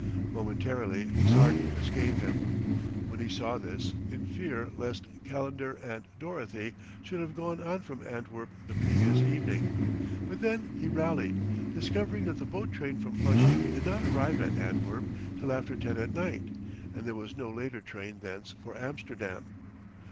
Momentarily his heart misgave him, when he saw this, in fear lest Calendar and Dorothy should have gone on from Antwerp the previous evening; but then he rallied, discovering that the boat train from Flushing did not arrive at Antwerp till after ten at night; and there was no later train thence for Amsterdam.